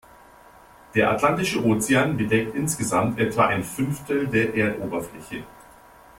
Der Atlantische Ozean bedeckt insgesamt etwa ein Fünftel der Erdoberfläche.